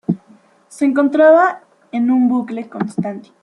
Se encontraba en un bucle constante.